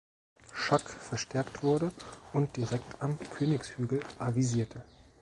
Schack verstärkt wurde und direkt am Königshügel avisierte.